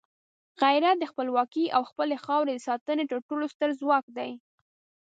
غیرت د خپلواکۍ او خپلې خاورې د ساتنې تر ټولو ستر ځواک دی.